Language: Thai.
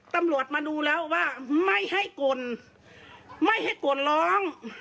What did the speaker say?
ตำรวจมาดูแล้วว่าไม่ให้กลไม่ให้กลร้อง